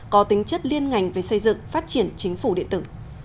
có tính chất liên ngành về xây dựng phát triển chính phủ điện tử